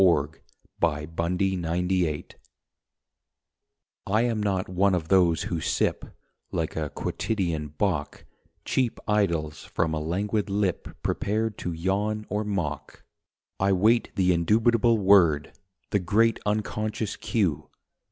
IN UNCERTAINTY TO A LADY I am not one of those who sip, Like a quotidian bock, Cheap idylls from a languid lip Prepared to yawn or mock. I wait the indubitable word, The great Unconscious Cue.